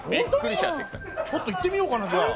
ちょっといってみようかな。